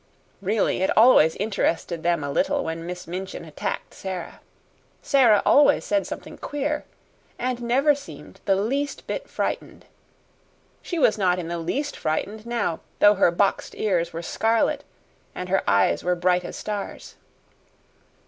Really, it always interested them a little when Miss Minchin attacked Sara. Sara always said something queer, and never seemed the least bit frightened. She was not in the least frightened now, though her boxed ears were scarlet and her eyes were as bright as stars.